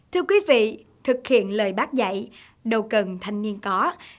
thưa quý vị thực hiện lời bác dạy đầu cần thành niên có việc gì khó có thành niên